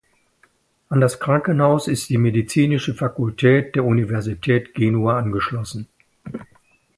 An das Krankenhaus ist die Medizinische Fakultät der Universität Genua angeschlossen.